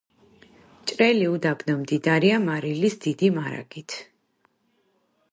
ჭრელი უდაბნო მდიდარია მარილის დიდი მარაგით.